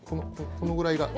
このくらいが。